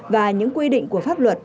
và những quy định của pháp luật